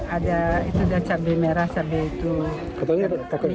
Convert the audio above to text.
ada itu dah cabai merah cabai putih